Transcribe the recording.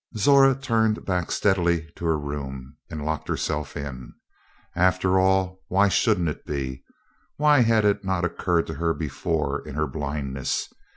Zora turned back steadily to her room, and locked herself in. After all, why shouldn't it be? Why had it not occurred to her before in her blindness?